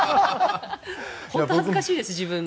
本当恥ずかしいです、自分が。